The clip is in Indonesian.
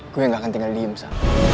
gue enggak akan tinggal diem sa